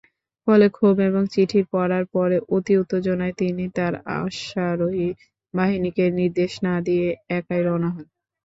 ফলে, ক্ষোভ এবং চিঠির পরার পরে অতি উত্তেজনায় তিনি তাঁর অশ্বারোহী বাহিনীকে নির্দেশ না দিয়ে একাই রওনা হন।